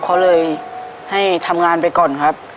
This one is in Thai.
เขาเลยให้ทำงานไปก่อนครับ